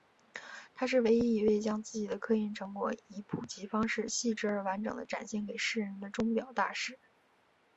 他是唯一一位将自己的科研成果以普及方式细致而完整地展现给世人的钟表大师。